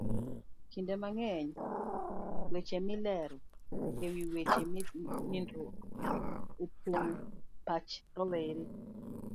Kinde mang'eny, weche milero e wi weche nindruok opong'o pach rowere.